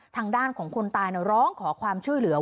ทางด้านของคนตายร้องขอความช่วยเหลือ